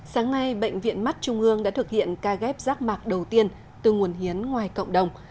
sáng nay bệnh viện mắt trung ương đã thực hiện ca ghép rác mạc đầu tiên từ nguồn hiến ngoài cộng đồng